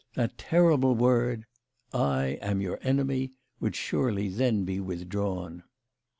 That terrible word, " I am your enemy," would surely then be withdrawn.